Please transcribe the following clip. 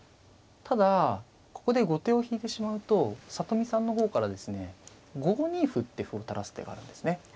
ただここで後手を引いてしまうと里見さんの方からですね５二歩って歩を垂らす手があるんですね。